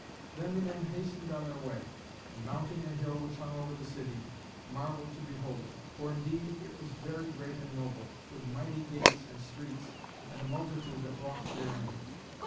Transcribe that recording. Then the men hastened on their way, and mounting a hill which hung over the city, marvelled to behold it, for indeed it was very great and noble, with mighty gates and streets, and a multitude that walked therein.